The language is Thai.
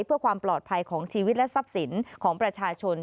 เพื่อความปลอดภัยของชีวิตและทรัพย์สินของประชาชน